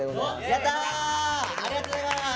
やったありがとうございます！